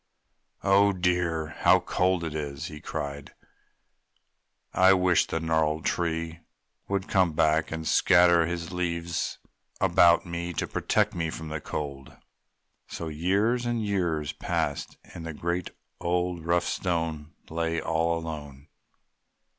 "Oh dear! How cold it is!" he cried, "I wish the gnarled tree would come back and scatter his leaves about me to protect me from the cold!" So years and years and years passed, and the great old, rough Stone lay all alone.